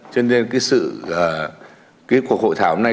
cho nên cuộc hội thảo hôm nay